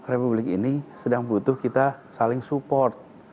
republik ini sedang butuh kita saling support